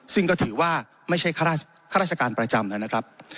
ซึ่งก็ถือว่าไม่ใช่ข้าราชการประจำนะครับ